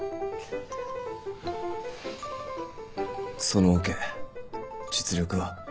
そのオケ実力は？